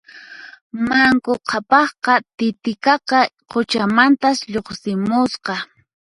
Manku Qhapaqqa Titiqaqa quchamantas lluqsimusqa